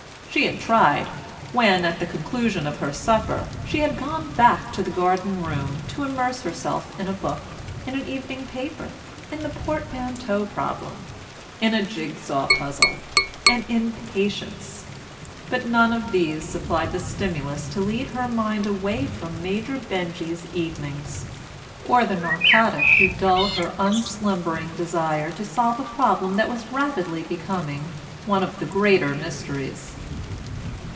She had tried, when, at the conclusion of her supper, she had gone back to the garden room, to immerse herself in a book, in an evening paper, in the portmanteau problem, in a jig saw puzzle, and in Patience, but none of these supplied the stimulus to lead her mind away from Major Benjy's evenings, or the narcotic to dull her unslumbering desire to solve a problem that was rapidly becoming one of the greater mysteries.